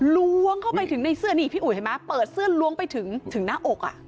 ล้วงเข้าไปถึงในเสื้อนี่พี่อุ๋ยเห็นไหมเปิดเสื้อล้วงไปถึงหน้าอกอ่ะ